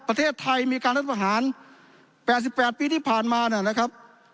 ประเทศไทยมีการรัฐธรรมหาล๘๘ปีที่ผ่านมา